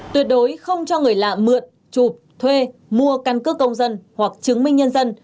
tuyệt đối không cho người lạ mượn chụp thuê mua căn cước công dân hoặc chứng minh nhân dân